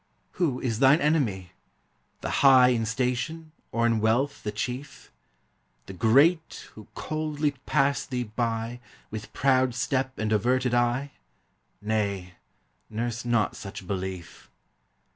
Who is thine enemy? The high In station, or in wealth the chief? The great, who coldly pass thee by, With proud step and averted eye? Nay! nurse not such belief.